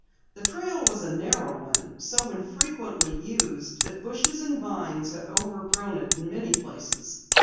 The trail was a narrow one, so infrequently used that bushes and vines had overgrown it in many places.